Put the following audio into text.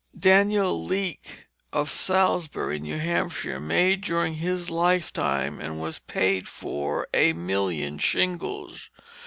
Daniel Leake of Salisbury, New Hampshire, made during his lifetime and was paid for a million shingles.